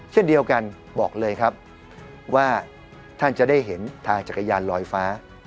เช่นเดียวกันบอกเลยครับว่าท่านจะได้เห็นทางจักรยานลอยฟ้า